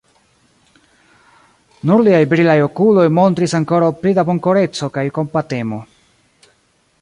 Nur liaj brilaj okuloj montris ankoraŭ pli da bonkoreco kaj kompatemo.